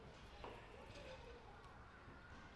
له یوه بله بې خبري یې علت باله.